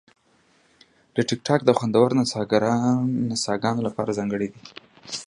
ټیکټاک د خوندورو نڅاګانو لپاره ځانګړی دی.